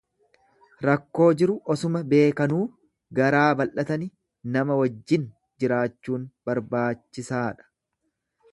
Rakkoo jiru osuma beekanuu garaa bal'atani nama wajjin jiraachuun barbaachisaadha.